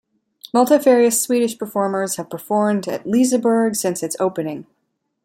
Multifarious Swedish performers have performed at Liseberg since its opening.